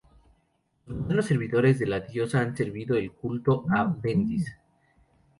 Los modernos seguidores de la Diosa han revivido el culto a Bendis.